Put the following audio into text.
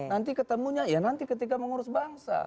nanti ketemunya ya nanti ketika mengurus bangsa